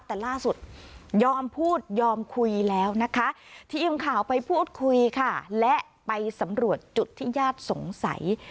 แต่ล่าสุดยอมพูดยอมคุยแล้วนะคะทีมข่าวไปพูดคุยค่ะและไปสำรวจจุดที่ญาติสงสัย